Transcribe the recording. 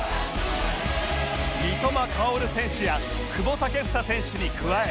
三笘薫選手や久保建英選手に加え